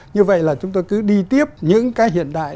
như vậy là chúng tôi cứ đi tiếp những cái hiện đại